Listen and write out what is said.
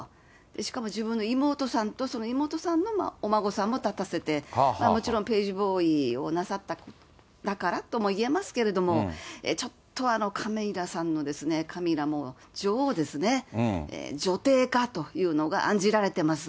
しかも自分の妹さんとその妹さんのお孫さんも立たせて、もちろん、ページボーイをなさったからともいえますけれども、ちょっとはカミラさんの、カミラも女王ですね、女帝化というのがあんじられてます。